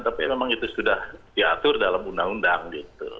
tapi memang itu sudah diatur dalam undang undang gitu